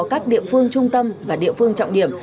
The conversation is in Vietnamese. các địa phương trung tâm và địa phương trọng điểm